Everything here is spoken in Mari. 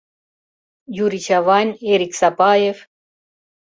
Юрий Чавайн, Эрик Сапаев...